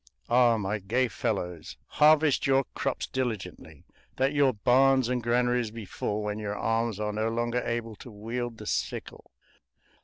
Ah, my gay fellows, harvest your crops diligently, that your barns and granaries be full when your arms are no longer able to wield the sickle!